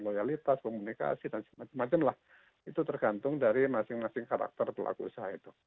loyalitas komunikasi dan semacam macam lah itu tergantung dari masing masing karakter pelaku usaha itu